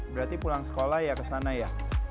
berarti pulang sekolah ya kesana ya